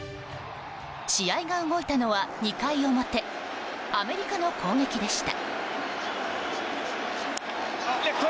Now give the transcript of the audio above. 試合が動いたのは２回表アメリカの攻撃でした。